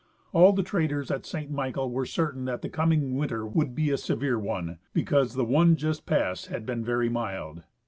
All the traders at Saint Michael Avere certain that the coming Avinter Avould be a severe one, because the one just jjassed had been very mild.